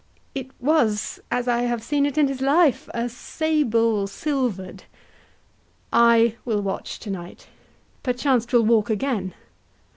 It was, as I have seen it in his life, A sable silver'd. HAMLET. I will watch tonight; Perchance 'twill walk again.